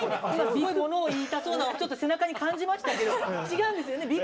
今すごいものを言いたそうなちょっと背中に感じましたけど違うんですよね